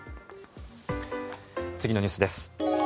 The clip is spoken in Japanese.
次のニュースです。